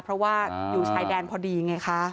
เพราะว่าอยู่ชายแดนพอดีไงคะ